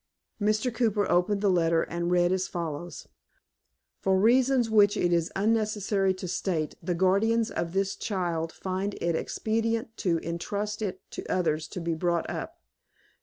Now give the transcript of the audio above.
Mr. Cooper opened the letter, and read as follows: "For reasons which it is unnecessary to state, the guardians of this child find it expedient to intrust it to others to be brought up.